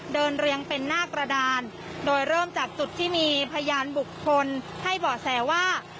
เรียงเป็นหน้ากระดานโดยเริ่มจากจุดที่มีพยานบุคคลให้เบาะแสว่า